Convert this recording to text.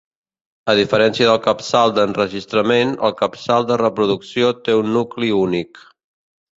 A diferència del capçal d'enregistrament, el capçal de reproducció té un nucli únic.